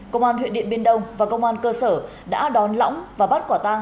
công an huyện điện biên đông và công an cơ sở đã đón lõng và bắt quả tang